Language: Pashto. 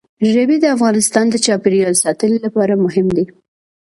ژبې د افغانستان د چاپیریال ساتنې لپاره مهم دي.